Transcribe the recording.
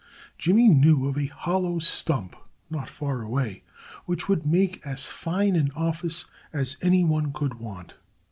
Jimmy knew of a hollow stump not far away which would make as fine an office as anyone could want.